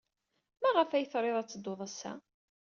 Maɣef ay trid ad teddud ass-a?